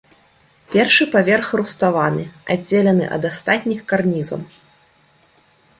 Першы паверх руставаны, аддзелены ад астатніх карнізам.